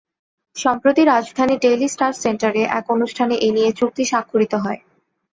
সম্প্রতি রাজধানীর Daily Star সেন্টারে এক অনুষ্ঠানে এ নিয়ে চুক্তি স্বাক্ষরিত হয়।